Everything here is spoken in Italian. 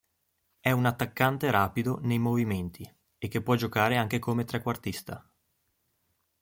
È un attaccante rapido nei movimenti e che può giocare anche come trequartista.